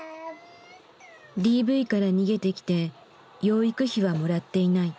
ＤＶから逃げてきて養育費はもらっていない。